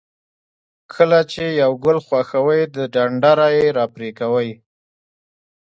کله چې یو ګل خوښوئ د ډنډره یې را پرې کوئ.